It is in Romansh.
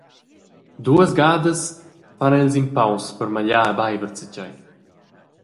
Duas gadas fan els in paus per magliar e beiber zatgei.